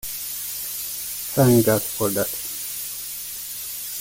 Thank God for that!